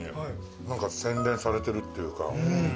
何か洗練されてるっていうか。